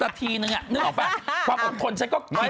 อาทิตย์หนึ่งนึกออกไป